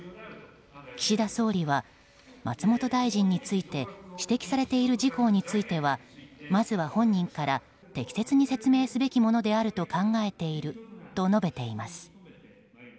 岸田総理は松本大臣について指摘されている事項についてはまずは本人から適切に説明すべきものであると考えていると述べています。